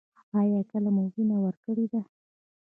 ایا کله مو وینه ورکړې ده؟